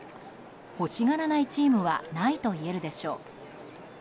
欲しがらないチームはないと言えるでしょう。